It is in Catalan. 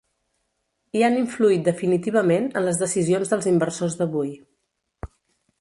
I han influït definitivament en les decisions dels inversors d’avui.